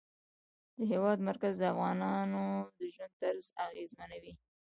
د هېواد مرکز د افغانانو د ژوند طرز اغېزمنوي.